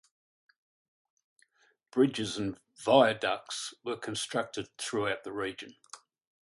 Bridges and viaducts were constructed throughout the region.